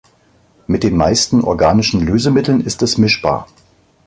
Mit den meisten organischen Lösemitteln ist es mischbar.